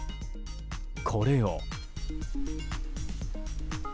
これを。